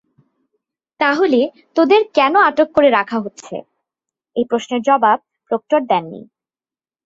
তাহলে তাঁদের কেন আটক করে রাখা হচ্ছে—এই প্রশ্নের জবাব প্রক্টর দেননি।